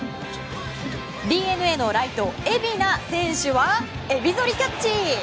ＤｅＮＡのライト、蝦名選手はエビ反りキャッチ。